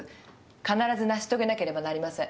必ず成し遂げなければなりません。